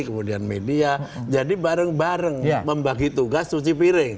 kemudian media jadi bareng bareng membagi tugas cuci piring